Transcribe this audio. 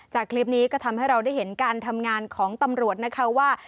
คลิปนี้ก็ทำให้เราได้เห็นการทำงานของตำรวจนะคะว่า